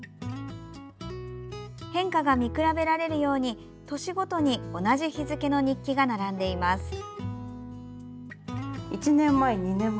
変化が見比べられるように年ごとに同じ日付の日記が並んでいます。